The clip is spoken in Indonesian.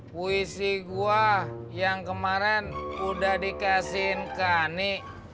puisi gua yang kemarin udah dikasihin kani